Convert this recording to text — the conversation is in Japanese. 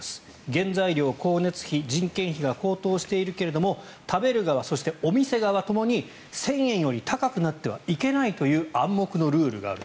原材料、光熱費、人件費が高騰しているけれども食べる側、そしてお店側ともに１０００円より高くなってはいけないという暗黙のルールがあると。